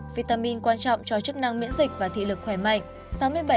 vitamin quan trọng cho chức năng miễn dịch và thị lực khỏe mạnh